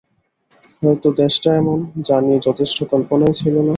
হয়তো দেশটা এমন, যা নিয়ে যথেষ্ট কল্পনাই ছিল না।